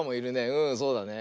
うんそうだね。